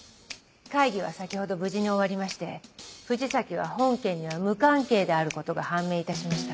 会議は先ほど無事に終わりまして藤崎は本件には無関係であることが判明いたしました。